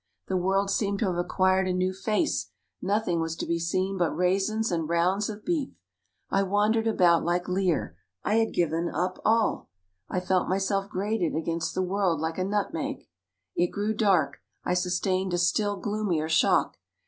The world seemed to have acquired a new face; nothing was to be seen but raisins and rounds of beef. I wandered about like Lear I had given up all! I felt myself grated against the world like a nutmeg. It grew dark I sustained a still gloomier shock.